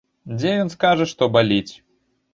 Дзе ён скажа, што баліць.